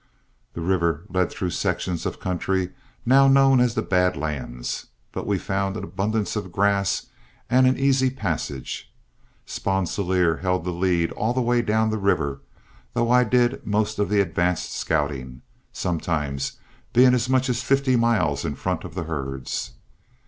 The river led through sections of country now known as the Bad Lands, but we found an abundance of grass and an easy passage. Sponsilier held the lead all the way down the river, though I did most of the advance scouting, sometimes being as much as fifty miles in front of the herds.